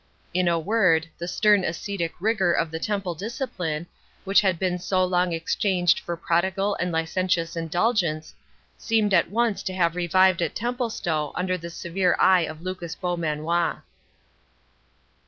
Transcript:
In a word, the stern ascetic rigour of the Temple discipline, which had been so long exchanged for prodigal and licentious indulgence, seemed at once to have revived at Templestowe under the severe eye of Lucas Beaumanoir.